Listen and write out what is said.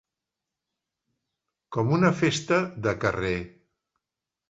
Com una festa de carrer.